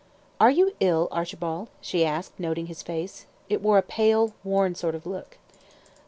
"Are you ill, Archibald?" she asked, noting his face. It wore a pale, worn sort of look.